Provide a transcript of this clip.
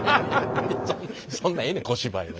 そんなええねん小芝居は。